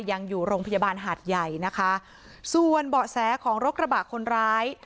ยังอยู่โรงพยาบาลหาดใหญ่นะคะส่วนเบาะแสของรถกระบะคนร้าย